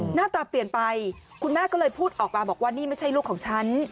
หน้าตาเปลี่ยนไปคุณแม่ก็เลยพูดออกมาบอกว่านี่ไม่ใช่ลูกของฉัน